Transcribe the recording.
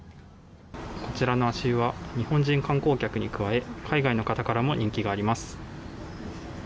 こちらの足湯は日本人観光客に加え海外の方からも人気があります。